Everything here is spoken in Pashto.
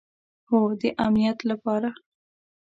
هو، د امنیت لپاره